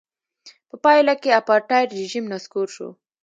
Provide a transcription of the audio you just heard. په پایله کې اپارټایډ رژیم نسکور شو.